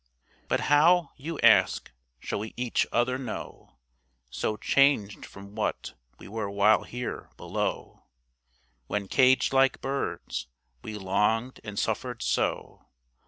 But how, you ask, shall we each other know, So changed from what we were while here below, When, caged like birds, we longed and suffered so?